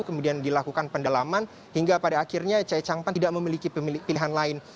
kemudian dilakukan pendalaman hingga pada akhirnya chai chang pan tidak memiliki pilihan lain